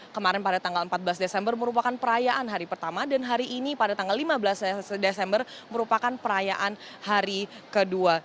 kemarin pada tanggal empat belas desember merupakan perayaan hari pertama dan hari ini pada tanggal lima belas desember merupakan perayaan hari kedua